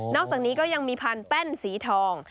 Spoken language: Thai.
อกจากนี้ก็ยังมีพันธุ์แป้นสีทอง